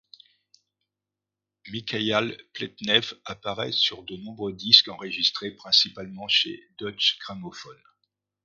Mikhaïl Pletnev apparaît sur de nombreux disques enregistrés principalement chez Deutsche Grammophon.